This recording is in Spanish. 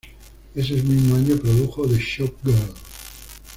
Ese mismo año, produjo "The Shop Girl".